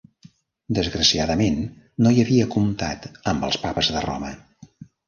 Desgraciadament, no hi havia comptat, amb els papes de Roma.